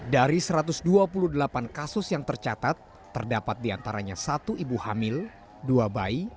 dari satu ratus dua puluh delapan kasus yang tercatat terdapat diantaranya satu ibu hamil dua bayi